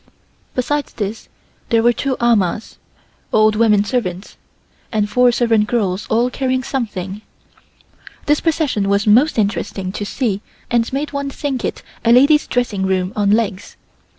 Besides this there were two amahs (old women servants) and four servant girls all carrying something. This procession was most interesting to see and made one think it a lady's dressing room on legs.